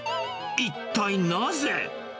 一体なぜ？